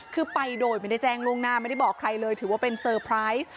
คือไปโดยไม่ได้แจ้งล่วงหน้าไม่ได้บอกใครเลยถือว่าเป็นเซอร์ไพรส์